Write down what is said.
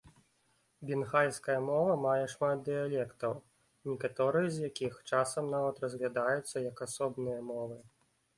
Бенгальская мова мае шмат дыялектаў, некаторыя з якіх часам нават разглядаюцца як асобныя мовы.